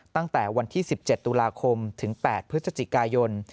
ตั้งแต่วันที่๑๗ตุลาคมถึง๘พฤศจิกายน